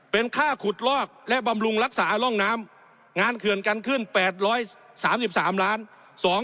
เป็นค่าขุดลอกและบำรุงรักษาร่องน้ำงานเขื่อนกันขึ้น๘๓๓ล้าน